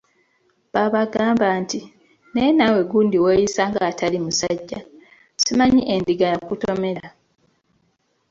Babagamba nti,"Naye naawe gundi weeyisa ng'atali musajja, simanyi endiga yakutomera?